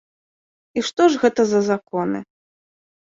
І што ж гэта за законы?